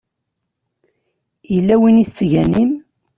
Yella win i tettganim?